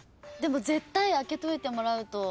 絶対あけといてもらうと。